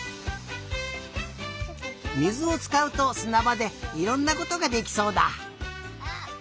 水をつかうとすなばでいろんなことができそうだ。